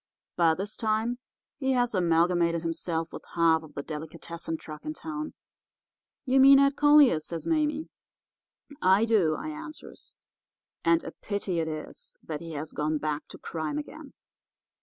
By this time he has amalgamated himself with half the delicatessen truck in town.' "'You mean Ed Collier?' says Mame. "'I do,' I answers; 'and a pity it is that he has gone back to crime again.